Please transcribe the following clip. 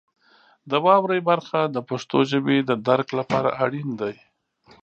د واورئ برخه د پښتو ژبې د درک لپاره اړین دی.